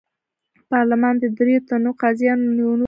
پارلمان د دریوو تنو قاضیانو د نیولو امر وکړ.